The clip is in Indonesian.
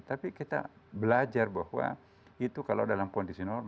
tapi kita belajar bahwa itu kalau dalam kondisi normal